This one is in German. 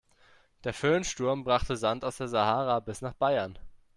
Der Föhnsturm brachte Sand aus der Sahara bis nach Bayern.